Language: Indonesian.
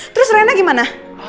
terus rena gimana